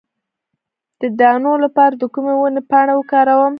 د دانو لپاره د کومې ونې پاڼې وکاروم؟